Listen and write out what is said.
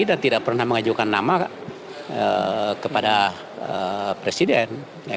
dan tidak pernah mengajukan nama kepada presiden